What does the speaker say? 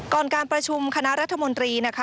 การประชุมคณะรัฐมนตรีนะคะ